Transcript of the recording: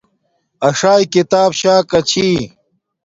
اݽاݵݵ کتاب شاکا چھی